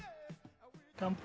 乾杯。